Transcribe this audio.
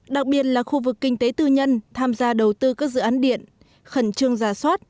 đặc biệt là khu vực kinh tế tư nhân tham gia đầu tư các dự án điện khẩn trương giả soát